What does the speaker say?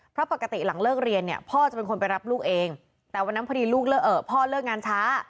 เพราะปกติหลังเลิกเรียนเนี่ยพ่อจะเป็นคนไปรับลูกเองแต่วันนั้นพอดีพ่อเลิกงานช้า